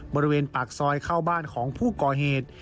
บริเวณปากซอยเข้าบ้านของผู้ก่อเหตุ